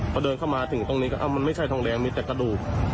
พอเดินเข้ามาถึงตรงนี้ก็มันไม่ใช่ทองแดงมีแต่กระดูก